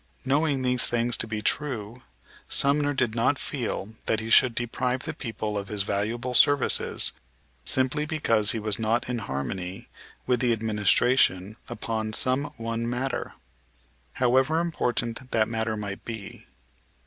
Knowing these things to be true Sumner did not feel that he should deprive the people of his valuable services simply because he was not in harmony with the administration upon some one matter, however important that matter might be.